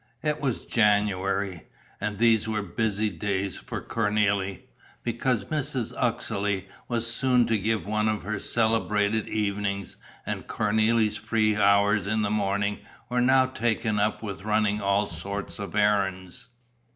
It was January; and these were busy days for Cornélie, because Mrs. Uxeley was soon to give one of her celebrated evenings and Cornélie's free hours in the morning were now taken up with running all sorts of errands.